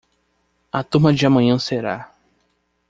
A turma de amanhã será